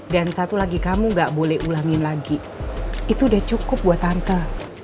dan satu lagi kamu gak boleh ulangin lagi itu udah cukup buat tante